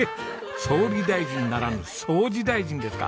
総理大臣ならぬ掃除大臣ですか！